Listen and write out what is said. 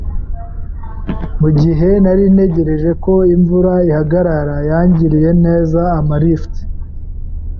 Mugihe nari ntegereje ko imvura ihagarara, yangiriye neza ampa lift.